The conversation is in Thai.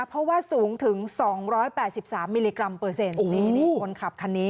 เพราะว่าสูงถึง๒๘๓มิลลิกรัมเปอร์เซนฟีน